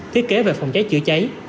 thiết kế về phòng cháy chữa cháy